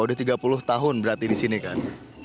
udah tiga puluh tahun berarti disini kan